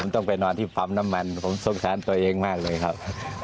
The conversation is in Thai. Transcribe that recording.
ต้องไปนอนที่ปั๊มน้ำมันผมสงสารตัวเองมากเลยครับ